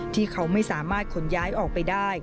ที่เขาไม่สามารถขนย้ายออกไปได้